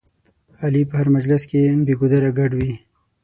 علي په هر مجلس کې بې ګودره ګډ وي.